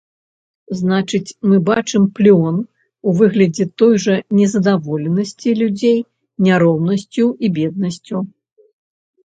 Значыць, мы бачым плён у выглядзе той жа незадаволенасці людзей няроўнасцю і беднасцю.